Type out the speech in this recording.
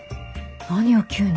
何よ急に。